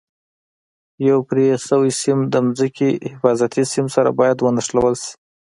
یو پرې شوی سیم د ځمکې حفاظتي سیم سره باید ونښلول شي.